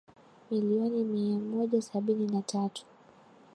milioni mi moja sabini na tatu